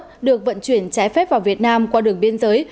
pháo nổ được vận chuyển trái phép vào việt nam qua đường biên giới